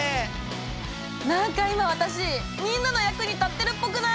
何か今私みんなの役に立ってるっぽくない？